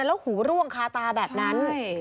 แล้วหูร่วงคาตาแบบนั้น